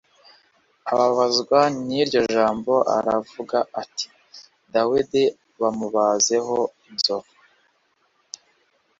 ababazwa n’iryo jambo aravuga ati “Dawidi bamubazeho inzovu